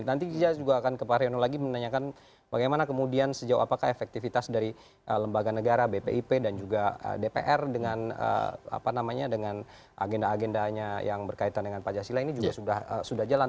nanti kita juga akan ke pak haryono lagi menanyakan bagaimana kemudian sejauh apakah efektivitas dari lembaga negara bpip dan juga dpr dengan agenda agendanya yang berkaitan dengan pancasila ini juga sudah jalan